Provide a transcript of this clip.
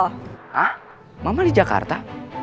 hah mama di jakarta